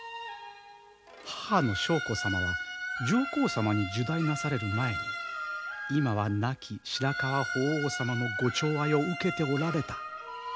母の璋子様は上皇様に入内なされる前に今は亡き白河法皇様のご寵愛を受けておられた。